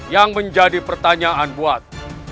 yang menjadi pertanyaan buat